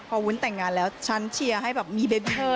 พอวุ้นแต่งงานแล้วฉันเชียร์ให้แบบมีเบเดอร์